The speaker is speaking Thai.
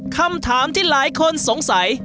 คำถามที่หลายคนสงสัย